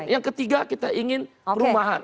yang ketiga kita ingin perumahan